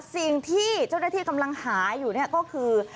สิ่งที่เจ้าหน้าที่กำลังหาอยู่เนี่ยก็คือ